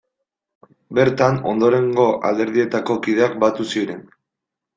Bertan ondorengo alderdietako kideak batu ziren.